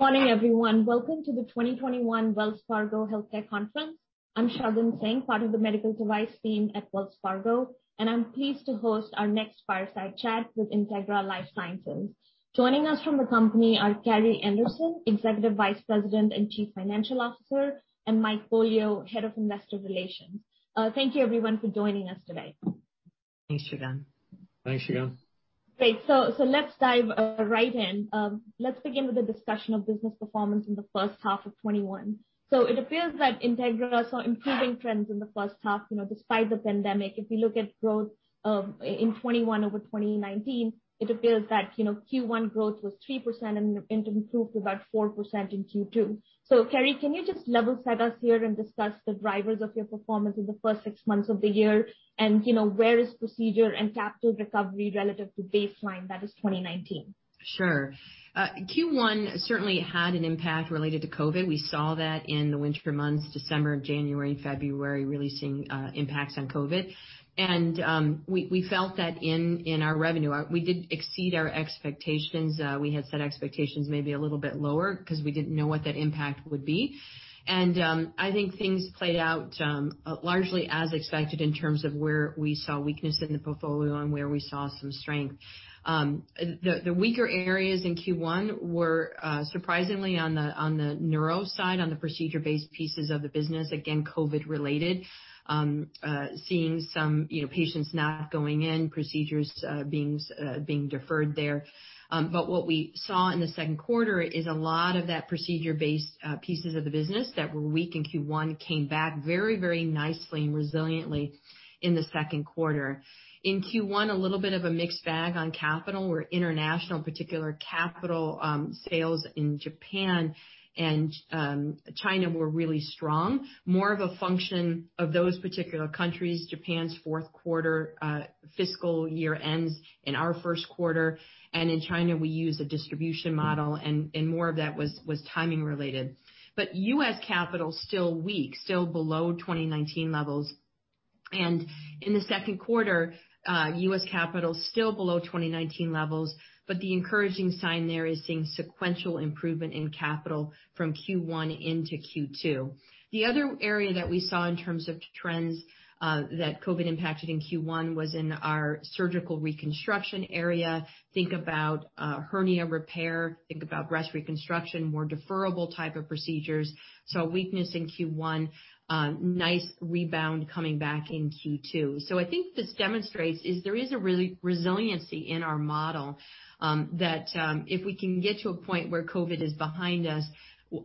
Good morning, everyone. Welcome to the 2021 Wells Fargo Health Tech Conference. I'm Shagun Singh, part of the Medical Device Team at Wells Fargo, and I'm pleased to host our next fireside chat with Integra LifeSciences. Joining us from the company are Carrie Anderson, Executive Vice President and Chief Financial Officer, and Mike Beaulieu, Head of Investor Relations. Thank you, everyone, for joining us today. Thanks, Shagun. Thanks, Shagun. Great. So let's dive right in. Let's begin with the discussion of business performance in the first half of 2021. So it appears that Integra saw improving trends in the first half, you know, despite the pandemic. If we look at growth in 2021 over 2019, it appears that Q1 growth was 3% and improved to about 4% in Q2. So Carrie, can you just level set us here and discuss the drivers of your performance in the first six months of the year? And where is procedure and capital recovery relative to baseline that is 2019? Sure. Q1 certainly had an impact related to COVID. We saw that in the winter months, December, January, and February, really seeing impacts on COVID. And we felt that in our revenue, we did exceed our expectations. We had set expectations maybe a little bit lower because we didn't know what that impact would be. And I think things played out largely as expected in terms of where we saw weakness in the portfolio and where we saw some strength. The weaker areas in Q1 were surprisingly on the neuro side, on the procedure-based pieces of the business, again, COVID-related, seeing some patients not going in, procedures being deferred there. But what we saw in the second quarter is a lot of that procedure-based pieces of the business that were weak in Q1 came back very, very nicely and resiliently in the second quarter. In Q1, a little bit of a mixed bag on capital. We're international, particular capital sales in Japan and China were really strong. More of a function of those particular countries, Japan's fourth quarter fiscal year ends in our first quarter. And in China, we use a distribution model. And more of that was timing related, but U.S. capital still weak, still below 2019 levels. And in the second quarter, U.S. capital still below 2019 levels, but the encouraging sign there is seeing sequential improvement in capital from Q1 into Q2. The other area that we saw in terms of trends that COVID impacted in Q1 was in our surgical reconstruction area. Think about hernia repair, think about breast reconstruction, more deferable type of procedures, so weakness in Q1, nice rebound coming back in Q2. So I think this demonstrates there is a resiliency in our model that if we can get to a point where COVID is behind us,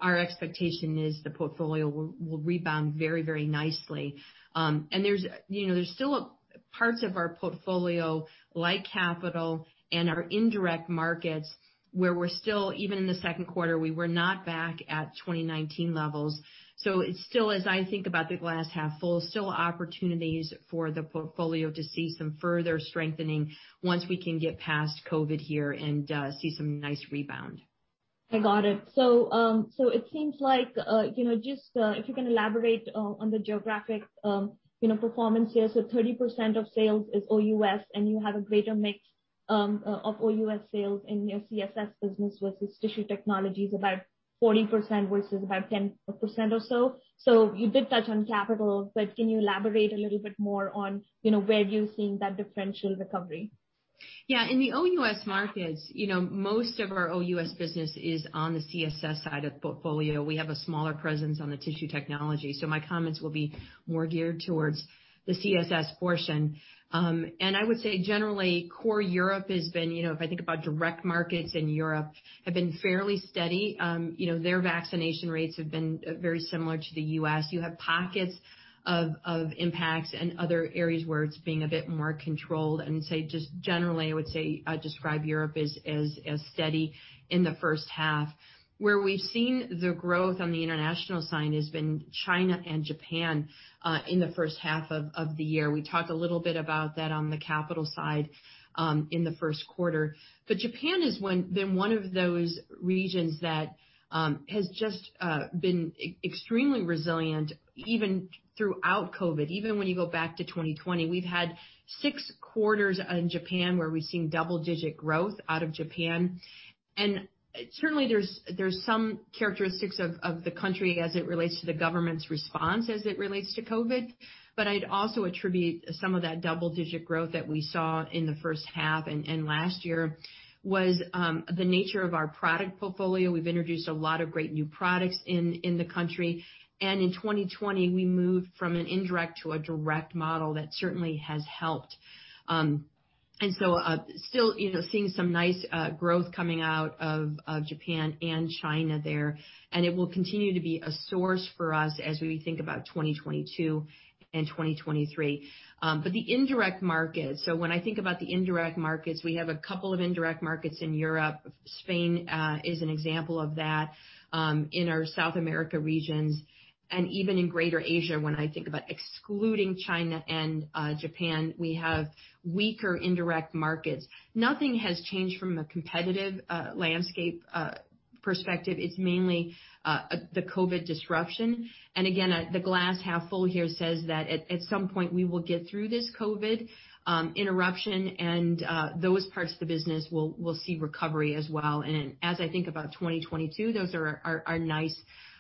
our expectation is the portfolio will rebound very, very nicely. And there's still parts of our portfolio like capital and our indirect markets where we're still, even in the second quarter, we were not back at 2019 levels. So it's still, as I think about the glass half full, still opportunities for the portfolio to see some further strengthening once we can get past COVID here and see some nice rebound. I got it. So it seems like just if you can elaborate on the geographic performance here. So 30% of sales is OUS, and you have a greater mix of OUS sales in your CSS business versus Tissue Technologies, about 40% versus about 10% or so. So you did touch on capital, but can you elaborate a little bit more on where you're seeing that differential recovery? Yeah. In the OUS markets, most of our OUS business is on the CSS side of the portfolio. We have a smaller presence on the tissue technology. So my comments will be more geared towards the CSS portion. And I would say generally, core Europe has been, if I think about direct markets in Europe, fairly steady. Their vaccination rates have been very similar to the US. You have pockets of impacts and other areas where it's being a bit more controlled. And, say, just generally, I would say describe Europe as steady in the first half. Where we've seen the growth on the international side has been China and Japan in the first half of the year. We talked a little bit about that on the capital side in the first quarter. But Japan has been one of those regions that has just been extremely resilient even throughout COVID. Even when you go back to 2020, we've had six quarters in Japan where we've seen double-digit growth out of Japan. And certainly, there's some characteristics of the country as it relates to the government's response as it relates to COVID. But I'd also attribute some of that double-digit growth that we saw in the first half and last year was the nature of our product portfolio. We've introduced a lot of great new products in the country. And in 2020, we moved from an indirect to a direct model that certainly has helped. And so still seeing some nice growth coming out of Japan and China there. And it will continue to be a source for us as we think about 2022 and 2023. But the indirect markets. So when I think about the indirect markets, we have a couple of indirect markets in Europe. Spain is an example of that in our South America regions. And even in Greater Asia, when I think about excluding China and Japan, we have weaker indirect markets. Nothing has changed from a competitive landscape perspective. It's mainly the COVID disruption. And again, the glass half full here says that at some point we will get through this COVID interruption, and those parts of the business will see recovery as well. And as I think about 2022, those are nice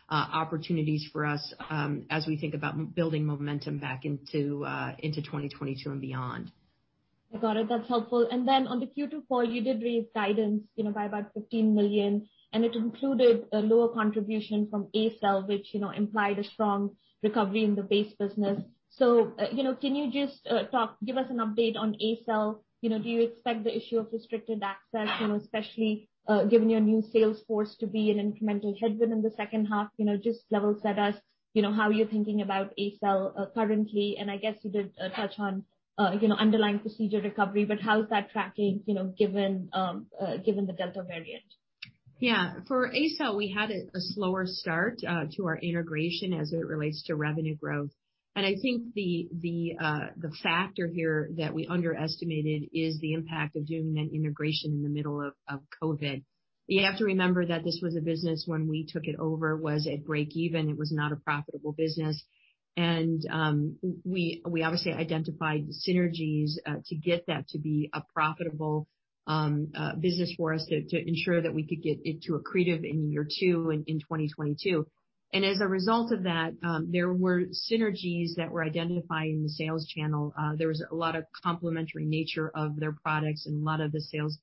opportunities for us as we think about building momentum back into 2022 and beyond. I got it. That's helpful. And then on the Q2 call, you did raise guidance by about $15 million. And it included a lower contribution from ACell, which implied a strong recovery in the base business. So can you just give us an update on ACell? Do you expect the issue of restricted access, especially given your new sales force, to be an incremental headwind in the second half? Just level set us how you're thinking about ACell currently. And I guess you did touch on underlying procedure recovery, but how's that tracking given the Delta variant? Yeah. For ACell, we had a slower start to our integration as it relates to revenue growth. And I think the factor here that we underestimated is the impact of doing that integration in the middle of COVID. You have to remember that this was a business when we took it over was at break-even. It was not a profitable business. And we obviously identified synergies to get that to be a profitable business for us to ensure that we could get it to accretive in year two in 2022. And as a result of that, there were synergies that were identified in the sales channel. There was a lot of complementary nature of their products, and a lot of the sales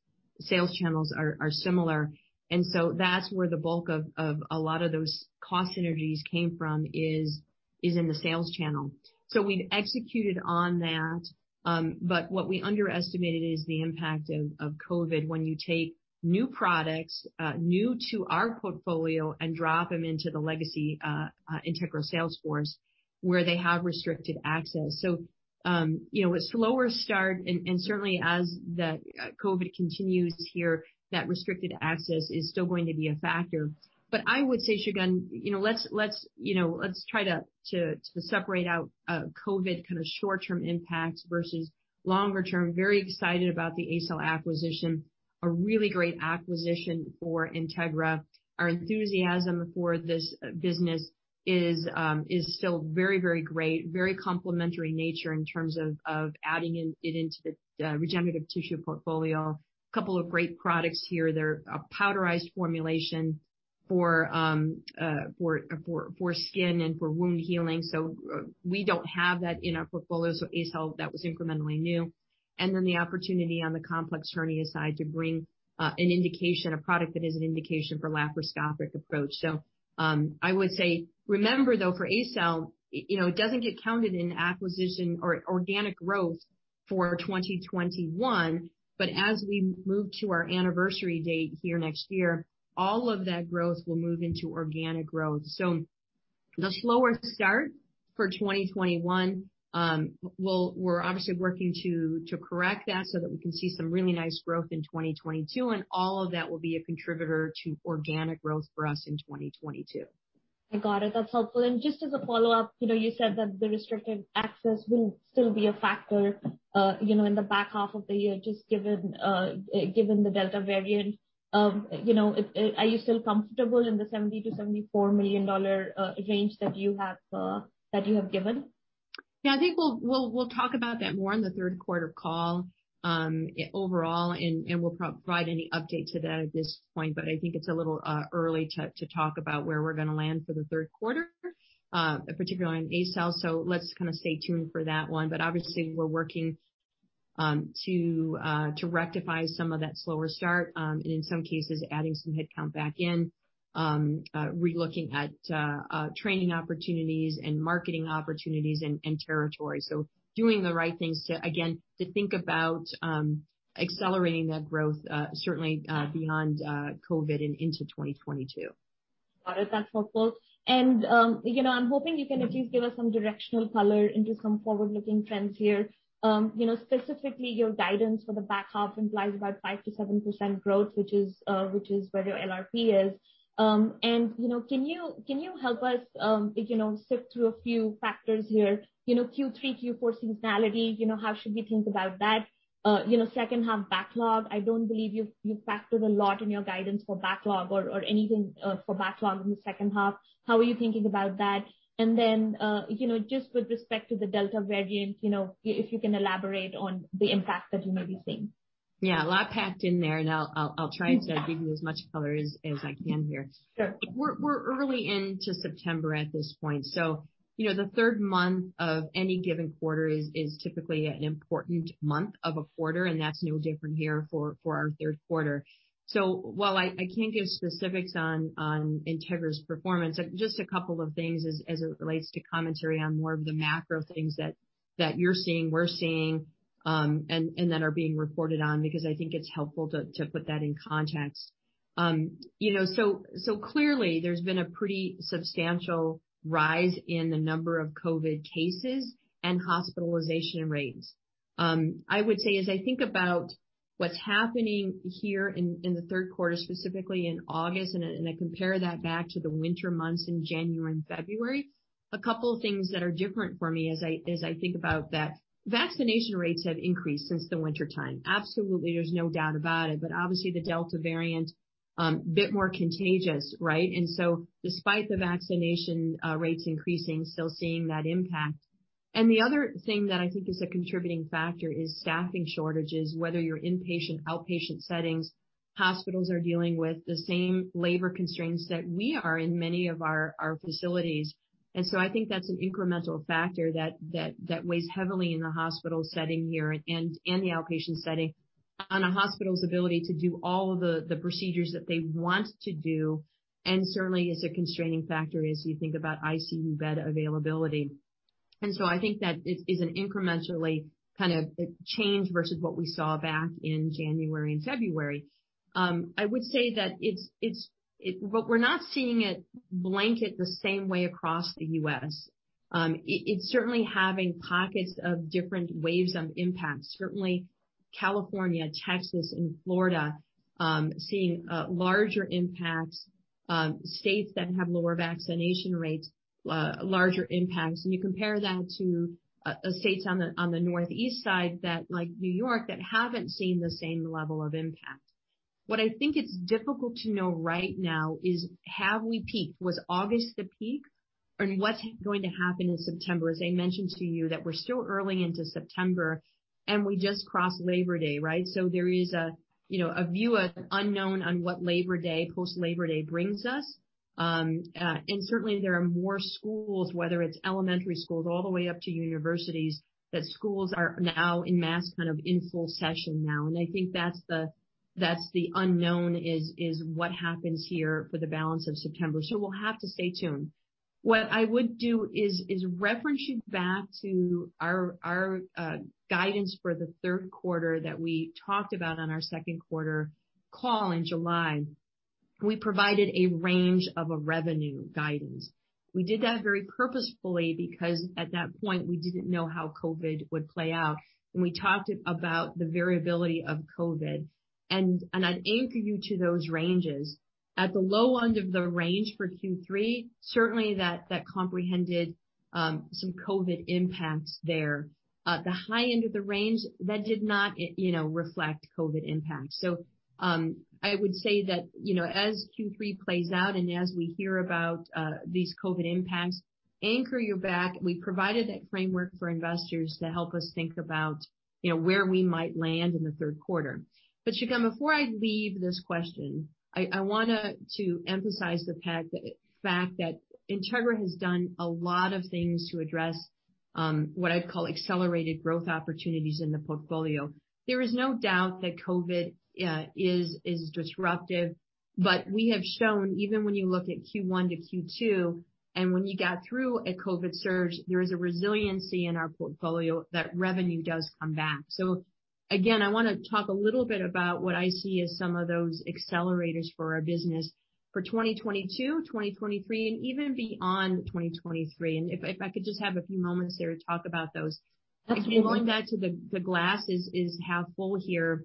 channels are similar. And so that's where the bulk of a lot of those cost synergies came from is in the sales channel. So we've executed on that. But what we underestimated is the impact of COVID when you take new products new to our portfolio and drop them into the legacy Integra sales force where they have restricted access. So a slower start, and certainly as COVID continues here, that restricted access is still going to be a factor. But I would say, Shagun, let's try to separate out COVID kind of short-term impact versus longer-term. Very excited about the ACell acquisition, a really great acquisition for Integra. Our enthusiasm for this business is still very, very great, very complementary nature in terms of adding it into the regenerative tissue portfolio. A couple of great products here. They're a powdered formulation for skin and for wound healing. So we don't have that in our portfolio. So ACell, that was incrementally new. And then the opportunity on the complex hernia side to bring an indication, a product that is an indication for laparoscopic approach. So I would say, remember though, for ACell, it doesn't get counted in acquisition or organic growth for 2021. But as we move to our anniversary date here next year, all of that growth will move into organic growth. So the slower start for 2021, we're obviously working to correct that so that we can see some really nice growth in 2022. And all of that will be a contributor to organic growth for us in 2022. I got it. That's helpful. And just as a follow-up, you said that the restricted access will still be a factor in the back half of the year, just given the Delta variant. Are you still comfortable in the $70 million-$74 million range that you have given? Yeah, I think we'll talk about that more in the third quarter call overall, and we'll provide any update to that at this point. But I think it's a little early to talk about where we're going to land for the third quarter, particularly on ACell. So let's kind of stay tuned for that one. But obviously, we're working to rectify some of that slower start, and in some cases, adding some headcount back in, relooking at training opportunities and marketing opportunities and territory. So doing the right things to, again, think about accelerating that growth, certainly beyond COVID and into 2022. Got it. That's helpful. And I'm hoping you can at least give us some directional color into some forward-looking trends here. Specifically, your guidance for the back half implies about 5%-7% growth, which is where your LRP is. And can you help us sift through a few factors here? Q3, Q4 seasonality, how should we think about that? Second half backlog, I don't believe you factored a lot in your guidance for backlog or anything for backlog in the second half. How are you thinking about that? And then just with respect to the Delta variant, if you can elaborate on the impact that you may be seeing. Yeah, a lot packed in there. And I'll try to give you as much color as I can here. We're early into September at this point. So the third month of any given quarter is typically an important month of a quarter. And that's no different here for our third quarter. So while I can't give specifics on Integra's performance, just a couple of things as it relates to commentary on more of the macro things that you're seeing, we're seeing, and that are being reported on, because I think it's helpful to put that in context. So clearly, there's been a pretty substantial rise in the number of COVID cases and hospitalization rates. I would say, as I think about what's happening here in the third quarter, specifically in August, and I compare that back to the winter months in January and February, a couple of things that are different for me as I think about that. Vaccination rates have increased since the wintertime. Absolutely, there's no doubt about it. But obviously, the Delta variant, a bit more contagious, right? And so despite the vaccination rates increasing, still seeing that impact. And the other thing that I think is a contributing factor is staffing shortages, whether you're inpatient, outpatient settings. Hospitals are dealing with the same labor constraints that we are in many of our facilities. And so I think that's an incremental factor that weighs heavily in the hospital setting here and the outpatient setting on a hospital's ability to do all of the procedures that they want to do. And certainly, it's a constraining factor as you think about ICU bed availability. And so I think that is an incrementally kind of change versus what we saw back in January and February. I would say that we're not seeing it blanket the same way across the US. It's certainly having pockets of different waves of impact. Certainly, California, Texas, and Florida seeing larger impacts, states that have lower vaccination rates, larger impacts. And you compare that to states on the northeast side, like New York, that haven't seen the same level of impact. What I think it's difficult to know right now is, have we peaked? Was August the peak? And what's going to happen in September? As I mentioned to you, that we're still early into September, and we just crossed Labor Day, right? So there is a view of unknown on what Labor Day, post-Labor Day brings us. And certainly, there are more schools, whether it's elementary schools all the way up to universities, that schools are now in mass kind of in full session now. And I think that's the unknown is what happens here for the balance of September, so we'll have to stay tuned. What I would do is reference you back to our guidance for the third quarter that we talked about on our second quarter call in July. We provided a range of revenue guidance. We did that very purposefully because at that point, we didn't know how COVID would play out. And we talked about the variability of COVID. And I'd anchor you to those ranges. At the low end of the range for Q3, certainly that comprehended some COVID impacts there. At the high end of the range, that did not reflect COVID impacts. So I would say that as Q3 plays out and as we hear about these COVID impacts, anchor you back. We provided that framework for investors to help us think about where we might land in the third quarter. But Shagun, before I leave this question, I want to emphasize the fact that Integra has done a lot of things to address what I'd call accelerated growth opportunities in the portfolio. There is no doubt that COVID is disruptive. But we have shown, even when you look at Q1-Q2, and when you got through a COVID surge, there is a resiliency in our portfolio that revenue does come back. So again, I want to talk a little bit about what I see as some of those accelerators for our business for 2022, 2023, and even beyond 2023. And if I could just have a few moments there to talk about those. That's helpful. Going back to the glass is half full here.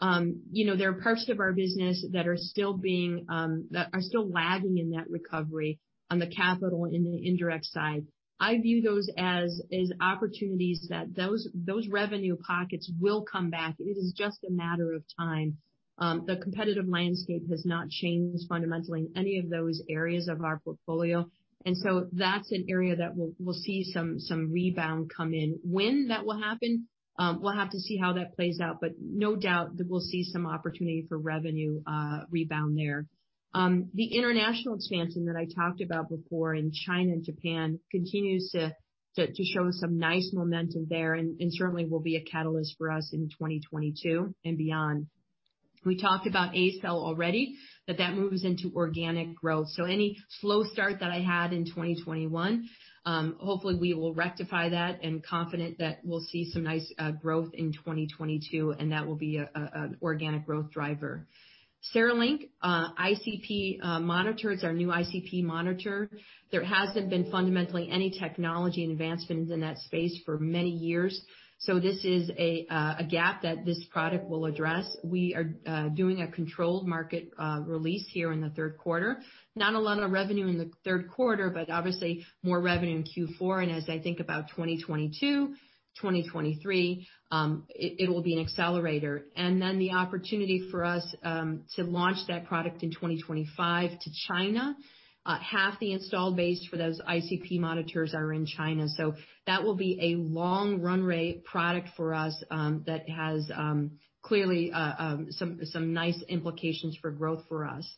There are parts of our business that are still lagging in that recovery on the capital and the indirect side. I view those as opportunities that those revenue pockets will come back. It is just a matter of time. The competitive landscape has not changed fundamentally in any of those areas of our portfolio. And so that's an area that we'll see some rebound come in. When that will happen, we'll have to see how that plays out. But no doubt that we'll see some opportunity for revenue rebound there. The international expansion that I talked about before in China and Japan continues to show some nice momentum there and certainly will be a catalyst for us in 2022 and beyond. We talked about ACell already, that moves into organic growth. So any slow start that I had in 2021, hopefully we will rectify that and confident that we'll see some nice growth in 2022, and that will be an organic growth driver. CereLink ICP monitors, our new ICP monitor. There hasn't been fundamentally any technology advancement in that space for many years. So this is a gap that this product will address. We are doing a controlled market release here in the third quarter. Not a lot of revenue in the third quarter, but obviously more revenue in Q4. And as I think about 2022, 2023, it will be an accelerator. And then the opportunity for us to launch that product in 2025 to China, half the installed base for those ICP monitors are in China. So that will be a long runway product for us that has clearly some nice implications for growth for us.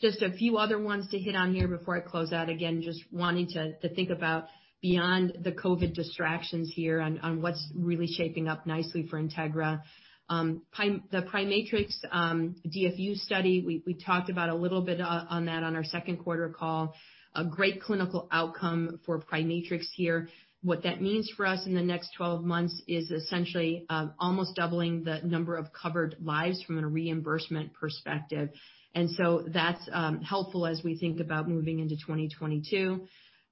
Just a few other ones to hit on here before I close out. Again, just wanting to think about beyond the COVID distractions here on what's really shaping up nicely for Integra. The PriMatrix DFU study, we talked about a little bit on that on our second quarter call. A great clinical outcome for PriMatrix here. What that means for us in the next 12 months is essentially almost doubling the number of covered lives from a reimbursement perspective. And so that's helpful as we think about moving into 2022.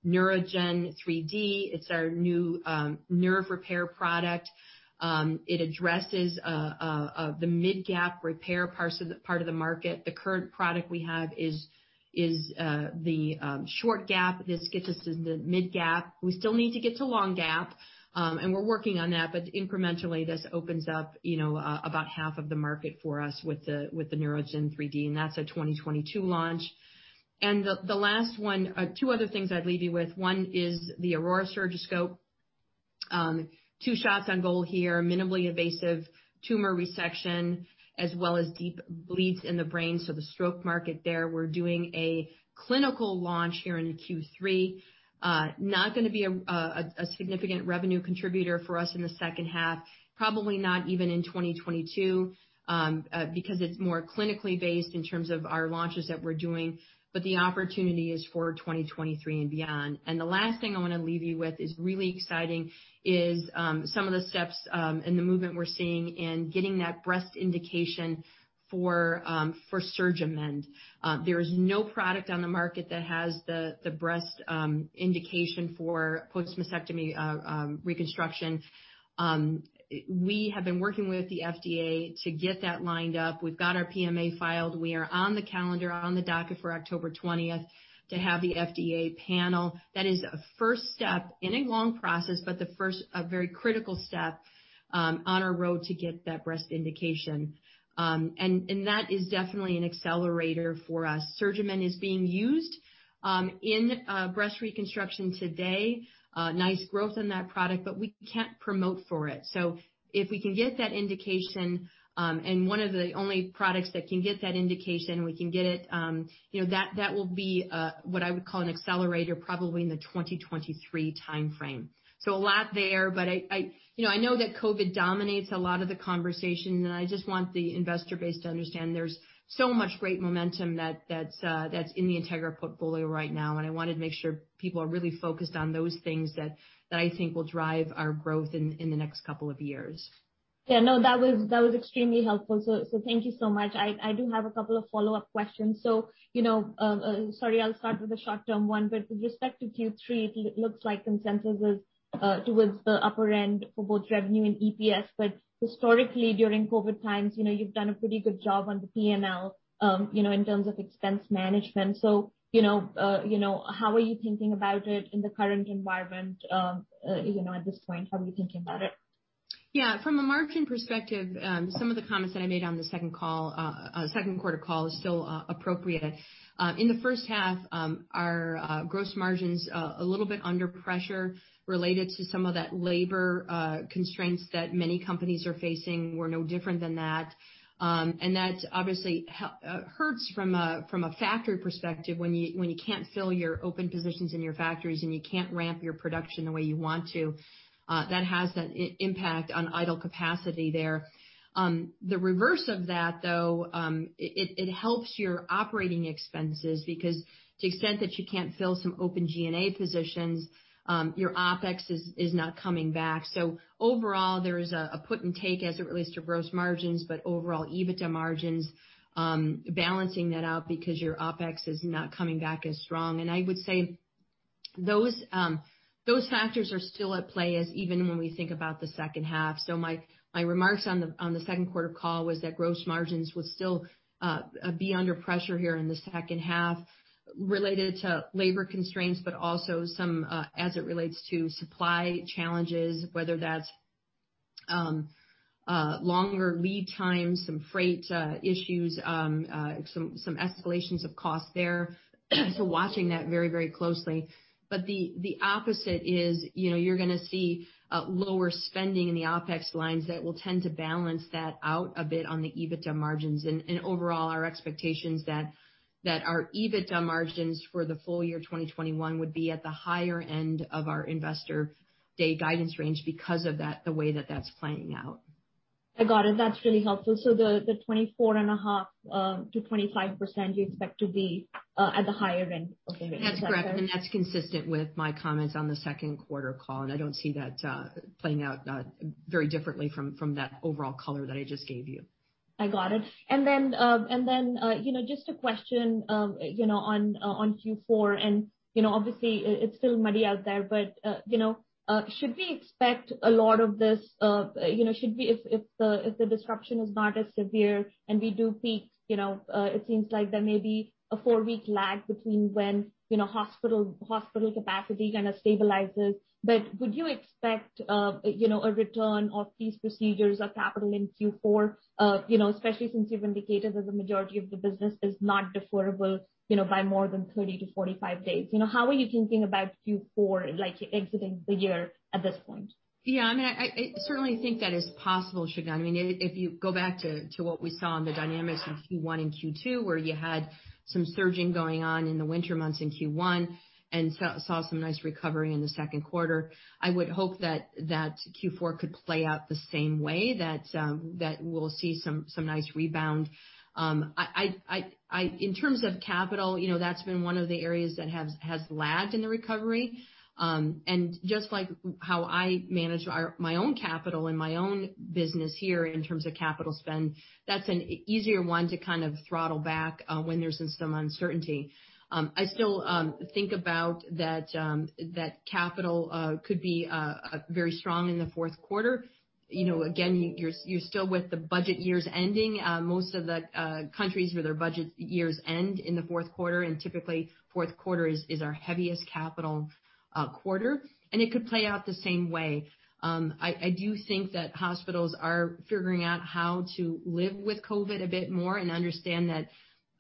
NeuraGen 3D, it's our new Nerve repair product. It addresses the mid-gap repair part of the market. The current product we have is the short gap. This gets us in the mid-gap. We still need to get to long gap. And we're working on that. But incrementally, this opens up about half of the market for us with the NeuraGen 3D. And that's a 2022 launch. And the last one, two other things I'd leave you with. One is the Aurora Surgiscope. Two shots on goal here, minimally invasive tumor resection, as well as deep bleeds in the brain. So the stroke market there. We're doing a clinical launch here in Q3. Not going to be a significant revenue contributor for us in the second half, probably not even in 2022, because it's more clinically based in terms of our launches that we're doing. But the opportunity is for 2023 and beyond. And the last thing I want to leave you with is really exciting is some of the steps and the movement we're seeing in getting that breast indication for SurgiMend. There is no product on the market that has the breast indication for post-mastectomy reconstruction. We have been working with the FDA to get that lined up. We've got our PMA filed. We are on the calendar, on the docket for October 20th to have the FDA panel. That is a first step in a long process, but the first very critical step on our road to get that breast indication, and that is definitely an accelerator for us. SurgiMend is being used in breast reconstruction today. Nice growth on that product, but we can't promote for it, so if we can get that indication, and one of the only products that can get that indication, we can get it, that will be what I would call an accelerator probably in the 2023 timeframe, so a lot there, but I know that COVID dominates a lot of the conversation. I just want the investor base to understand there's so much great momentum that's in the Integra portfolio right now. I wanted to make sure people are really focused on those things that I think will drive our growth in the next couple of years. Yeah, no, that was extremely helpful. So thank you so much. I do have a couple of follow-up questions. So sorry, I'll start with the short-term one. But with respect to Q3, it looks like consensus is towards the upper end for both revenue and EPS. But historically, during COVID times, you've done a pretty good job on the P&L in terms of expense management. So how are you thinking about it in the current environment at this point? Yeah, from a margin perspective, some of the comments that I made on the second quarter call is still appropriate. In the first half, our gross margins are a little bit under pressure related to some of that labor constraints that many companies are facing. We were no different than that. And that obviously hurts from a factory perspective when you can't fill your open positions in your factories and you can't ramp your production the way you want to. That has that impact on idle capacity there. The reverse of that, though, it helps your operating expenses because to the extent that you can't fill some open G&A positions, your OpEx is not coming back. So overall, there is a put and take as it relates to gross margins, but overall EBITDA margins, balancing that out because your OpEx is not coming back as strong. I would say those factors are still at play even when we think about the second half. My remarks on the second quarter call was that gross margins would still be under pressure here in the second half related to labor constraints, but also some as it relates to supply challenges, whether that's longer lead times, some freight issues, some escalations of cost there. Watching that very, very closely. The opposite is you're going to see lower spending in the OpEx lines that will tend to balance that out a bit on the EBITDA margins. Overall, our expectations that our EBITDA margins for the full year 2021 would be at the higher end of our Investor Day guidance range because of that, the way that that's playing out. I got it. That's really helpful. So the 24.5%-25%, you expect to be at the higher end of the range? That's correct. That's consistent with my comments on the second quarter call. I don't see that playing out very differently from that overall color that I just gave you. I got it. And then just a question on Q4. And obviously, it's still muddy out there, but should we expect a lot of this? Should we, if the disruption is not as severe and we do peak, it seems like there may be a four-week lag between when hospital capacity kind of stabilizes. But would you expect a return of these procedures or capital in Q4, especially since you've indicated that the majority of the business is not deferable by more than 30 days-45 days? How are you thinking about Q4 exiting the year at this point? Yeah, I mean, I certainly think that is possible, Shagun. I mean, if you go back to what we saw in the dynamics in Q1 and Q2, where you had some surging going on in the winter months in Q1 and saw some nice recovery in the second quarter, I would hope that Q4 could play out the same way, that we'll see some nice rebound. In terms of capital, that's been one of the areas that has lagged in the recovery. And just like how I manage my own capital and my own business here in terms of capital spend, that's an easier one to kind of throttle back when there's some uncertainty. I still think that capital could be very strong in the fourth quarter. Again, you're still with the budget years ending. Most of the countries where their budget years end in the fourth quarter, and typically fourth quarter is our heaviest capital quarter. And it could play out the same way. I do think that hospitals are figuring out how to live with COVID a bit more and understand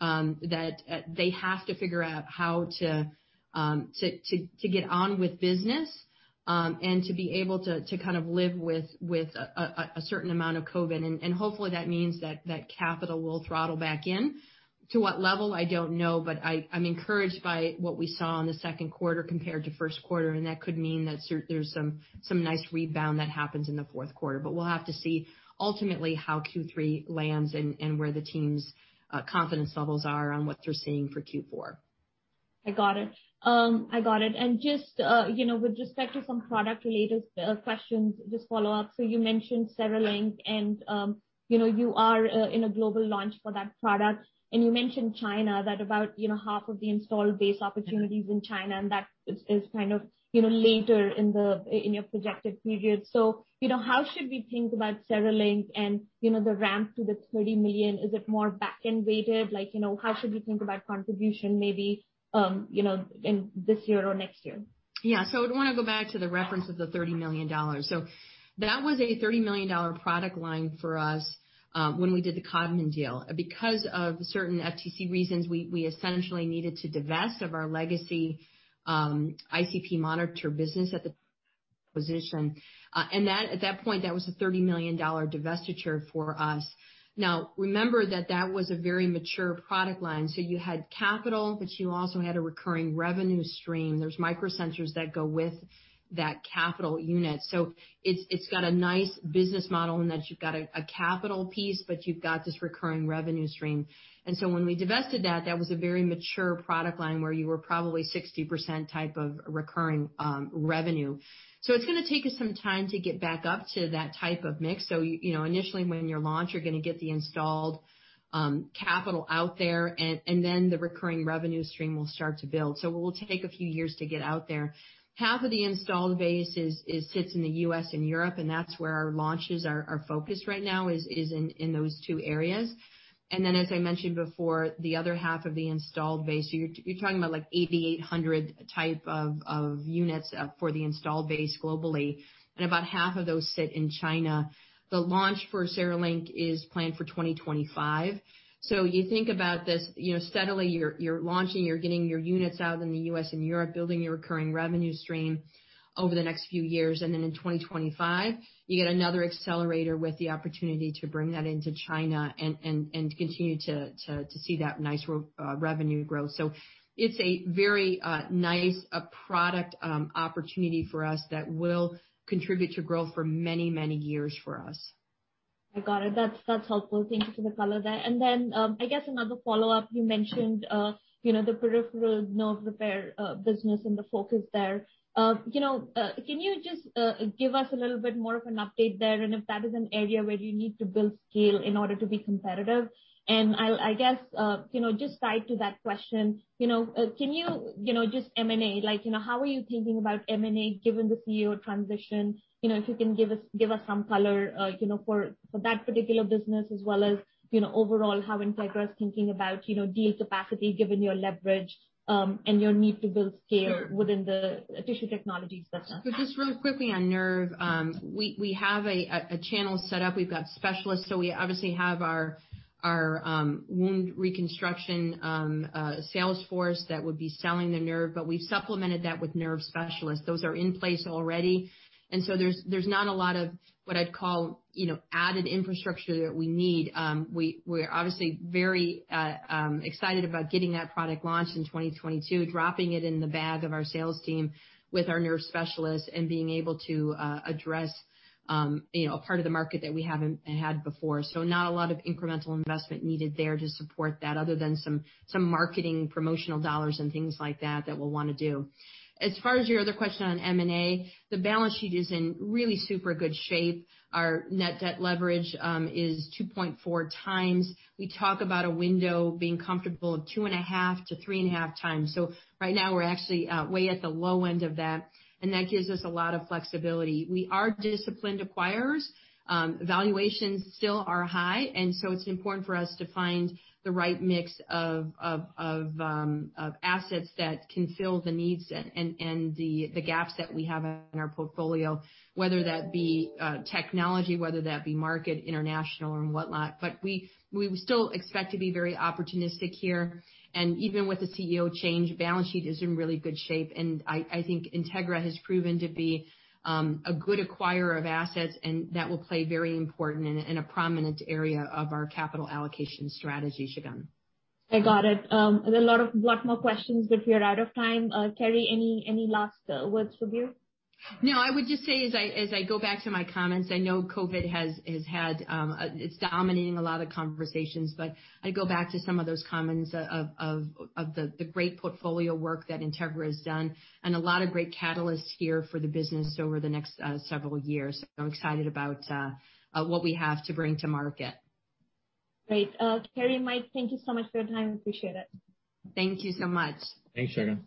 that they have to figure out how to get on with business and to be able to kind of live with a certain amount of COVID. And hopefully, that means that capital will throttle back in. To what level, I don't know, but I'm encouraged by what we saw in the second quarter compared to first quarter. And that could mean that there's some nice rebound that happens in the fourth quarter. But we'll have to see ultimately how Q3 lands and where the team's confidence levels are on what they're seeing for Q4. I got it. I got it. And just with respect to some product-related questions, just follow-up. So you mentioned CereLink, and you are in a global launch for that product. And you mentioned China, that about half of the installed base opportunities in China, and that is kind of later in your projected period. So how should we think about CereLink and the ramp to the $30 million? Is it more back-end weighted? How should we think about contribution maybe this year or next year? Yeah. So I would want to go back to the reference of the $30 million. So that was a $30 million product line for us when we did the Codman deal. Because of certain FTC reasons, we essentially needed to divest of our legacy ICP monitor business as a condition. And at that point, that was a $30 million divestiture for us. Now, remember that that was a very mature product line. So you had capital, but you also had a recurring revenue stream. There are microsensors that go with that capital unit. So it's got a nice business model in that you've got a capital piece, but you've got this recurring revenue stream. And so when we divested that, that was a very mature product line where you were probably 60% recurring revenue. It's going to take us some time to get back up to that type of mix. So initially, when you're launched, you're going to get the installed capital out there, and then the recurring revenue stream will start to build. So it will take a few years to get out there. Half of the installed base sits in the U.S. and Europe, and that's where our launches are focused right now is in those two areas. And then, as I mentioned before, the other half of the installed base, you're talking about like 8,800 type of units for the installed base globally, and about half of those sit in China. The launch for CereLink is planned for 2025. So you think about this. Steadily, you're launching, you're getting your units out in the U.S. and Europe, building your recurring revenue stream over the next few years. And then in 2025, you get another accelerator with the opportunity to bring that into China and continue to see that nice revenue growth. So it's a very nice product opportunity for us that will contribute to growth for many, many years for us. I got it. That's helpful. Thank you for the color there. And then I guess another follow-up, you mentioned the peripheral nerve repair business and the focus there. Can you just give us a little bit more of an update there? And if that is an area where you need to build scale in order to be competitive? And I guess just tied to that question, can you just M&A? How are you thinking about M&A given the CEO transition? If you can give us some color for that particular business, as well as overall how Integra is thinking about deal capacity given your leverage and your need to build scale within the Tissue Technologies business. So just real quickly on Nerve, we have a channel set up. We've got specialists. So we obviously have our wound reconstruction sales force that would be selling the Nerve, but we've supplemented that with Nerve specialists. Those are in place already. And so there's not a lot of what I'd call added infrastructure that we need. We're obviously very excited about getting that product launched in 2022, dropping it in the bag of our sales team with our Nerve specialists and being able to address a part of the market that we haven't had before. So not a lot of incremental investment needed there to support that, other than some marketing promotional dollars and things like that that we'll want to do. As far as your other question on M&A, the balance sheet is in really super good shape. Our net debt leverage is 2.4x. We talk about a window being comfortable of 2.5x-3.5x. So right now, we're actually way at the low end of that. And that gives us a lot of flexibility. We are disciplined acquirers. Valuations still are high. And so it's important for us to find the right mix of assets that can fill the needs and the gaps that we have in our portfolio, whether that be technology, whether that be market, international, and whatnot. But we still expect to be very opportunistic here. And even with the CEO change, balance sheet is in really good shape. And I think Integra has proven to be a good acquirer of assets, and that will play very important in a prominent area of our capital allocation strategy, Shagun. I got it. There are a lot more questions, but we are out of time. Carrie, any last words for you? No, I would just say, as I go back to my comments, I know COVID has had it's dominating a lot of conversations, but I go back to some of those comments of the great portfolio work that Integra has done and a lot of great catalysts here for the business over the next several years. So I'm excited about what we have to bring to market. Great. Carrie, Mike, thank you so much for your time. Appreciate it. Thank you so much. Thanks, Shagun.